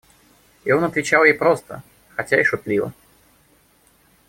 И он отвечал ей просто, хотя и шутливо.